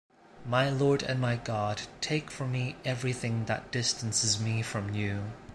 My Lord and my God, take from me everything that distances me from you.